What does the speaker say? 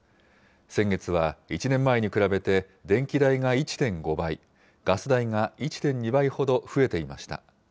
先月は、１年前に比べて電気代が１．５倍、ガス代が１．２倍ほど増えていました。